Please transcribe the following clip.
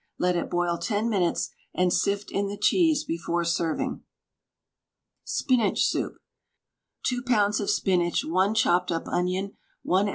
Let it boil 10 minutes, and sift in the cheese before serving. SPINACH SOUP. 2 lbs. of spinach, 1 chopped up onion, 1 oz.